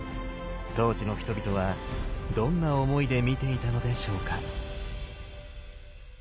当時の人々はどんな思いで見ていたのでしょうか。